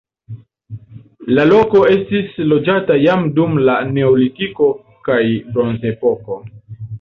La loko estis loĝata jam dum la neolitiko kaj bronzepoko.